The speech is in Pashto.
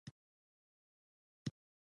ایا زه د پوزې عملیات کولی شم؟